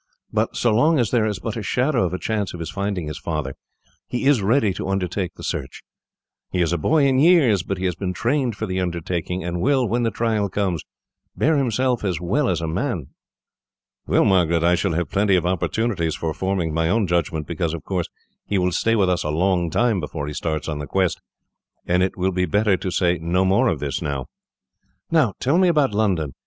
But so long as there is but a shadow of a chance of his finding his father, he is ready to undertake the search. He is a boy in years, but he has been trained for the undertaking, and will, when the trial comes, bear himself as well as a man." "Well, Margaret, I shall have plenty of opportunities for forming my own judgment; because, of course, he will stay with us a long time before he starts on the quest, and it will be better to say no more of this, now. "Now, tell me about London.